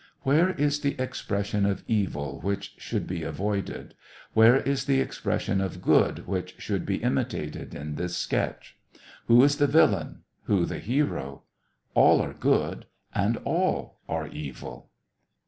Where is the expression of evil which should be avoided } Where is the expression of good which should be imitated in this sketch } Who is the villain, who the hero } All are good, and all are evil.